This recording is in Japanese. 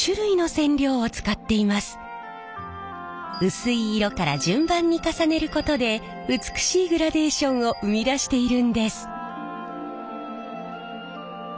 薄い色から順番に重ねることで美しいグラデーションを生み出しているんです。